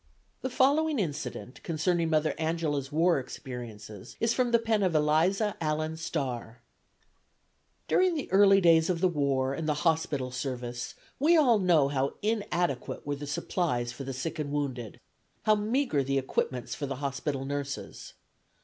The following incident concerning Mother Angela's war experiences is from the pen of Eliza Allen Starr: During the early days of the war and the hospital service we all know how inadequate were the supplies for the sick and wounded; how meagre the equipments for the hospital nurses.